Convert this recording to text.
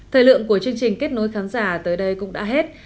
thời lượng của chương trình kết nối khán giả tới đây cũng đã hết